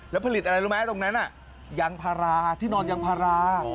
แล้วผลิตอะไรรู้ไหมตรงนั้นยางพาราที่นอนยางพารา